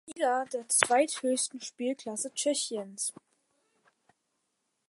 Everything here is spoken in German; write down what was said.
Liga, der zweithöchsten Spielklasse Tschechiens.